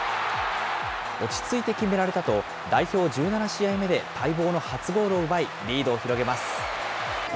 落ち着いて決められたと、代表１７試合目で待望の初ゴールを奪い、リードを広げます。